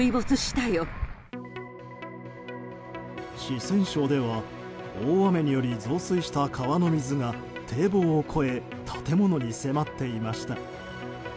四川省では大雨により増水した川の水が堤防を越え建物に迫っていました。